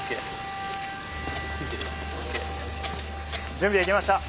準備できました。